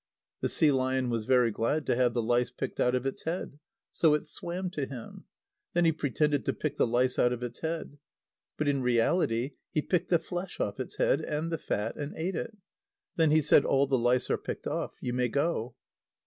The sea lion was very glad to have the lice picked out of its head. So it swam to him. Then he pretended to pick the lice out of its head. But in reality he picked the flesh off its head, and the fat, and ate it. Then he said: "All the lice are picked off. You may go."